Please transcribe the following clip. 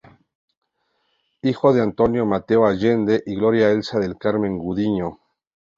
Hijo de Antonio Mateo Allende y Gloria Elsa Del Carmen Gudiño.